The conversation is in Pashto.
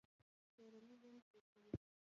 کورنۍ دنده درکوي؟